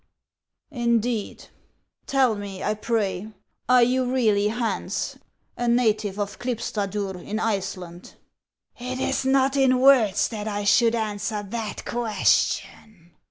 " Indeed ! Tell me, I pray, are you really Hans, a native of Klipstadur in Iceland ?"" It is not in words that I should answer that question."